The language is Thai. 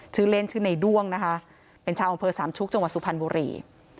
ชื่อเล่นชื่อในด้วงนะคะเป็นชาวอำเภอสามชุกจังหวัดสุพรรณบุรี